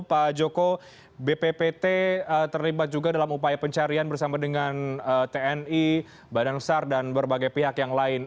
pak joko bppt terlibat juga dalam upaya pencarian bersama dengan tni badan sar dan berbagai pihak yang lain